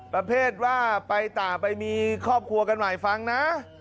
ประเภทว่าไปต่างไปมีครอบครัวกันใหม่ฟังนะ